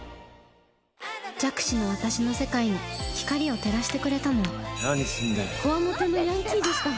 弱視の私の世界に光を照らしてくれたのは強面のヤンキーでした。